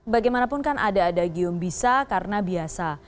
bagaimanapun kan ada ada giumbisa karena biasa